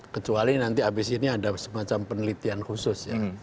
kecuali nanti habis ini ada semacam penelitian khusus ya